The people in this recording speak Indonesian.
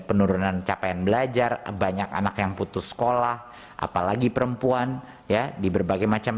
penurunan capaian belajar banyak anak yang putus sekolah apalagi perempuan ya di berbagai macam